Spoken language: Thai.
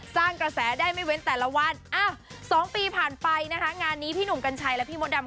สร้างกระแสได้ไม่เว้นแต่ละวัน๒ปีผ่านไปนะคะงานนี้พี่หนุ่มกัญชัยและพี่มดดำ